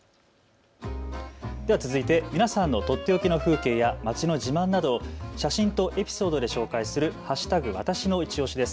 では続いて皆さんのとっておきの風景や街の自慢などを写真とエピソードで紹介する＃